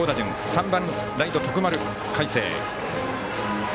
３番、ライト、徳丸快晴。